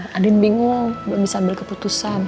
kamu belum bisa ambil keputusan